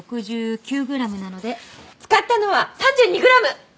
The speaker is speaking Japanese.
使ったのは３２グラム！